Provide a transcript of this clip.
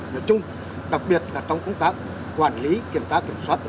nói chung đặc biệt là trong công tác quản lý kiểm tra kiểm soát